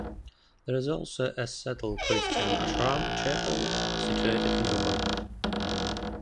There is also a Sattal Christian Ashram chapel situated nearby.